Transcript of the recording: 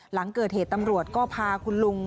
หลังเกิดเหตุตำรวจก็พาคุณลุง